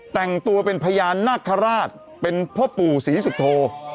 แต่งตัวเป็นพญานาคาราชเป็นพ่อปู่ศรีสุโธ